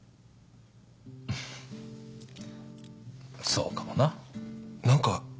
そうかもな。何か。